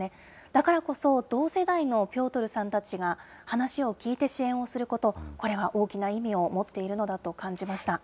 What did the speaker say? だからこそ、同世代のピョートルさんたちが話を聞いて支援をすること、これは大きな意味を持っているのだと感じました。